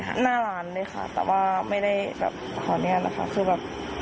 หน้าร้านเลยค่ะแต่ว่าไม่ได้ขอเนียดนะคะ